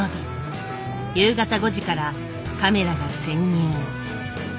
夕方５時からカメラが潜入。